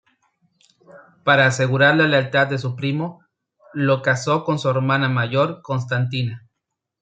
Para asegurar la lealtad de su primo, lo casó con su hermana mayor, Constantina.